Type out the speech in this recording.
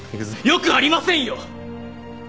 よくありませんよ！